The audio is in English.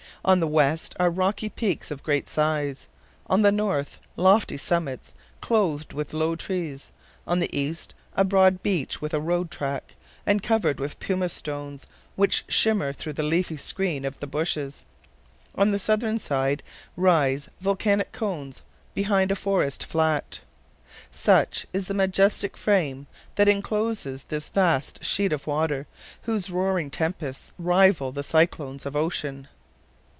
On the west are rocky peaks of great size; on the north lofty summits clothed with low trees; on the east a broad beach with a road track, and covered with pumice stones, which shimmer through the leafy screen of the bushes; on the southern side rise volcanic cones behind a forest flat. Such is the majestic frame that incloses this vast sheet of water whose roaring tempests rival the cyclones of Ocean.